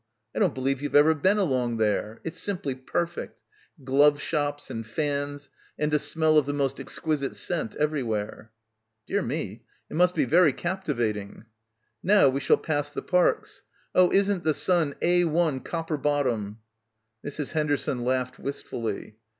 I don't believe you've ever been along there. It's simply perfect. Glove shops and fans and a smell of the most exquisite scent every where." "Dear me. It must be very captivating." "Now we shall pass the parks. Oh, isn't the sun Ai copper bottom !" Mrs. Henderson laughed wistfully.